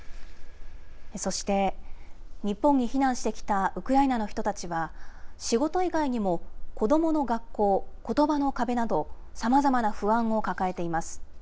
そして日本に避難してきたウクライナの人たちは、仕事以外にも、子どもの学校、ことばの壁など、さまざまな不安を抱えています。